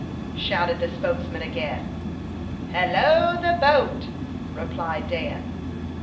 shouted the spokesman again. "Hallo, the boat," replied Dan.